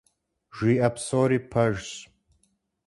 Жиӏэ псори пэжщ.